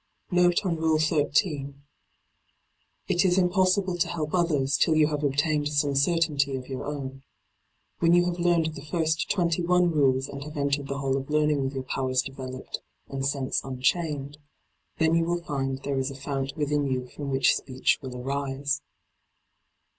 Note on Rule 13. — It is impossible to help others till you have obtained some certainty of your own. When you have learned the first twenty one rules and have entered the Hall of Learning with your powers de veloped and sense unchained, then you will find there is a fount within you from which speech will arise.